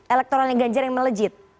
elektoral yang ganjar yang melejit